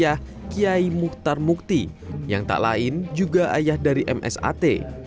dan juga kiai mukhtar mukti yang tak lain juga ayah dari msat